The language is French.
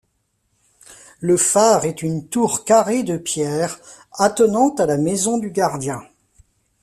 Le phare est une tour carrée de pierres, attenante à la maison du gardien.